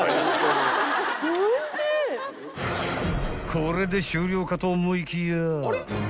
［これで終了かと思いきや］